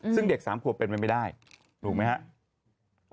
ซึ่งเด็กสามหวบเป็นไปไม่ได้ถูกมั้ยฮะ